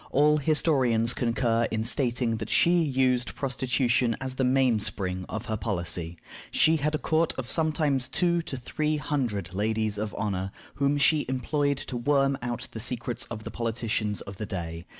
All historians concur in stating that she used prostitution as the mainspring of her policy. She had a court of sometimes two to three hundred ladies of honor, whom she employed to worm out the secrets of the politicians of the day.